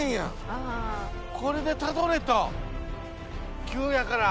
これでたどれと急やから。